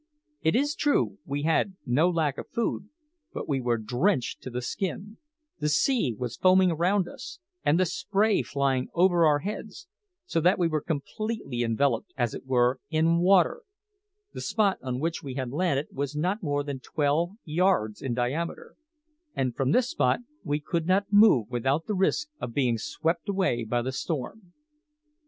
It is true we had no lack of food; but we were drenched to the skin; the sea was foaming round us, and the spray flying over our heads, so that we were completely enveloped, as it were, in water; the spot on which we had landed was not more than twelve yards in diameter, and from this spot we could not move without the risk of being swept away by the storm.